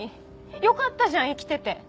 よかったじゃん生きてて。